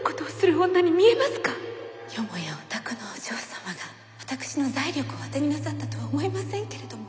よもやお宅のお嬢様が私の財力を当てになさったとは思いませんけれども。